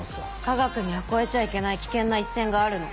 科学には越えちゃいけない危険な一線があるの。